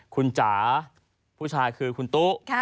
คุณจ๋าผู้ชายคือคุณตุ๊